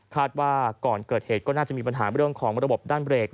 ว่าก่อนเกิดเหตุก็น่าจะมีปัญหาเรื่องของระบบด้านเบรก